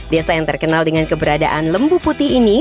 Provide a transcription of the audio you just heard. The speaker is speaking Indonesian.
desa yang terkenal dengan keberadaan lembu putih ini